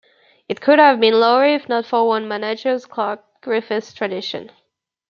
It could have been lower if not for one of manager Clark Griffith's traditions.